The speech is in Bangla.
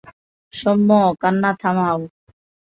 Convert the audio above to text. সৌম্য, কান্না থামাও।